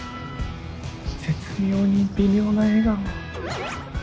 絶妙に微妙な笑顔！